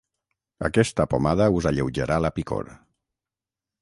Aquesta pomada us alleujarà la picor.